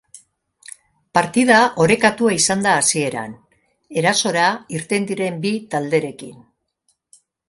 Partida orekatua izan da hasieran, erasora irten diren bi talderekin.